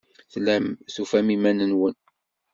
Tellam tufam iman-nwen.